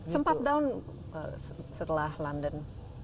sempat down setelah london